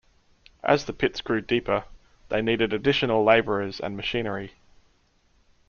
As the pits grew deeper, they needed additional labourers and machinery.